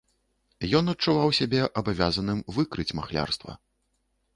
Ён адчуваў сябе абавязаным выкрыць махлярства.